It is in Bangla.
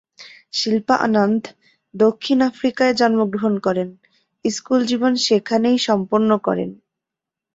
শিল্পা আনন্দ দক্ষিণ আফ্রিকায় জন্মগ্রহণ করেন, স্কুল জীবন সেখানেই সম্পন্ন করেন।